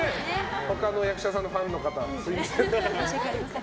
他の役者さんのファンの方すみません。